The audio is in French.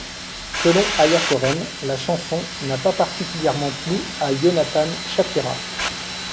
Selon Aya Korem, la chanson n'a pas particulièrement plu à Yonatan Shapira.